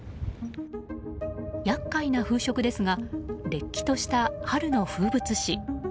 厄介な風食ですがれっきとした春の風物詩。